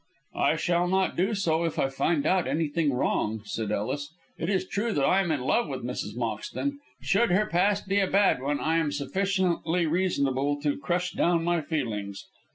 "I shall not do so if I find out anything wrong," said Ellis. "It is true that I am in love with Mrs. Moxton, but should her past be a bad one, I am sufficiently reasonable to crush down my feelings.